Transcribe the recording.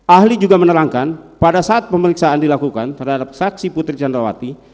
ahli juga menerangkan pada saat pemeriksaan dilakukan terhadap saksi putri candrawati